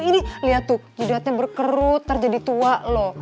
ini lihat tuh jidatnya berkerut terjadi tua loh